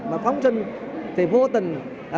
mà phóng sinh thì vô tình